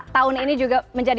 tahun ini juga menjadi